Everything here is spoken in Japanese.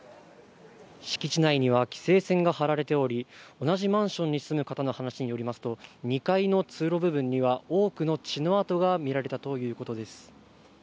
敷地内には規制線が張られており、同じマンションに住む方の話によりますと、２階の通路部分には多くの血のあとが見られたということです。